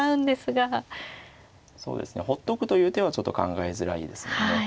そうですねほっとくという手はちょっと考えづらいですよね。